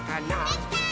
できたー！